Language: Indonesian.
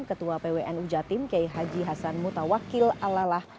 ketua pwnu jatim k h hasan mutawakil alalah